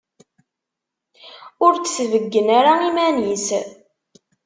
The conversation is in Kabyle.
Ur d-tbeyyen ara iman-is.